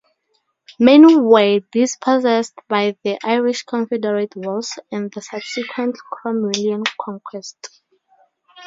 Many were dispossessed by the Irish Confederate Wars and the subsequent Cromwellian conquest.